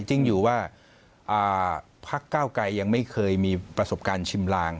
จริงอยู่ว่าพักเก้าไกรยังไม่เคยมีประสบการณ์ชิมลาง